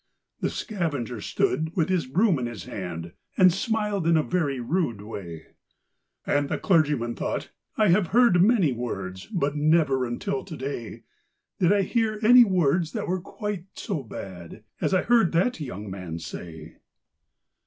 The scavenger stood with his broom in his hand, And smiled in a very rude way; And the clergyman thought, 'I have heard many words, But never, until to day, Did I hear any words that were quite so bad As I heard that young man say.'